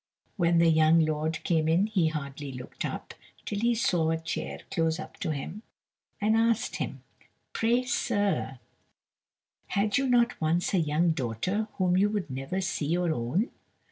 When the young lord came in he hardly looked up, till he saw a chair close up to him, and asked him: "Pray, sir, had you not once a young daughter whom you would never see or own?"